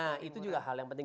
nah itu juga hal yang penting